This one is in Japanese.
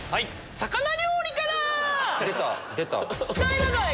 魚料理から！